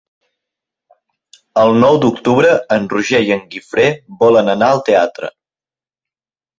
El nou d'octubre en Roger i en Guifré volen anar al teatre.